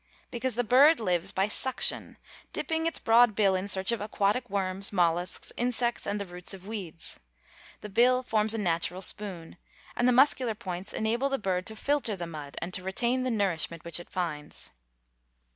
_ Because the bird lives by suction, dipping its broad bill in search of aquatic worms, mollusks, insects and the roots of weeds. The bill forms a natural spoon, and the muscular points enable the bird to filter the mud, and to retain the nourishment which it finds.